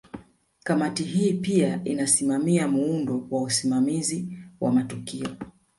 Kamati hii pia inasimamia muundo wa usimamizi wa matukio